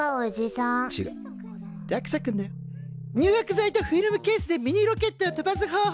入浴剤とフィルムケースでミニロケットを飛ばす方法だよね。